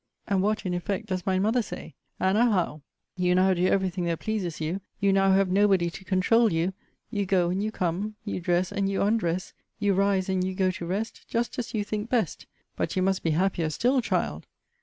And what, in effect, does my mother say? 'Anna Howe, you now do every thing that pleases you; you now have nobody to controul you; you go and you come; you dress and you undress; you rise and you go to rest, just as you think best; but you must be happier still, child!'